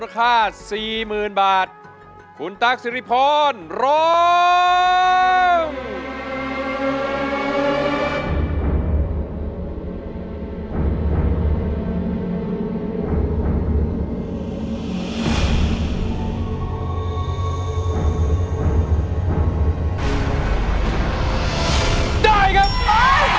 ไปสิมือละเลยสิมือ